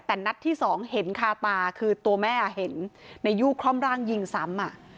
แต่นัดที่สองเห็นคาตาคือตัวแม่เห็นนายยู่คล่อมร่างยิงซ้ำ